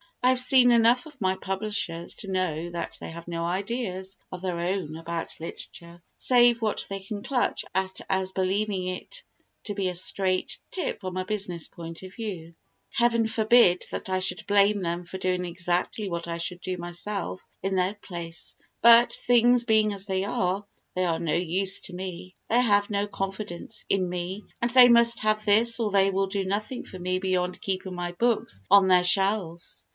I have seen enough of my publishers to know that they have no ideas of their own about literature save what they can clutch at as believing it to be a straight tip from a business point of view. Heaven forbid that I should blame them for doing exactly what I should do myself in their place, but, things being as they are, they are no use to me. They have no confidence in me and they must have this or they will do nothing for me beyond keeping my books on their shelves.